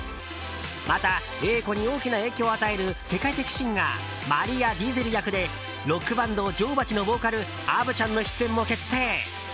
また、英子に大きな影響を与える世界的シンガーマリア・ディーゼル役でロックバンド、女王蜂のボーカルアヴちゃんの出演も決定。